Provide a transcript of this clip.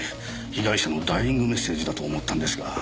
被害者のダイイングメッセージだと思ったんですが。